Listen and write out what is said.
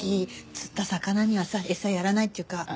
釣った魚にはさエサやらないっていうか。